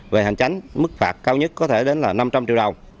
về hành tránh mức phạt cao nhất có thể đến là năm trăm linh triệu đồng